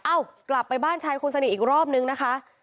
เอ้ากลับไปบ้านชายคนสนิทอีกรอบนึงนะคะ